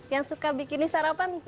yang suka bikini sarapan